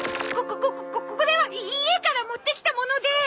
ここここここれはい家から持ってきたもので。